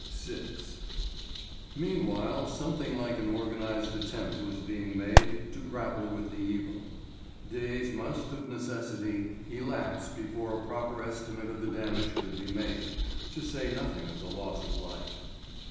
VI. Meanwhile something like an organised attempt was being made to grapple with the evil. Days must, of necessity, elapse before a proper estimate of the damage could be made, to say nothing of the loss of life.